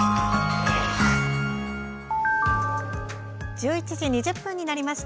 １１時２０分になりました。